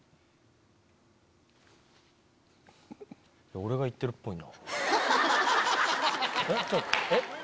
俺が言ってるっぽいな。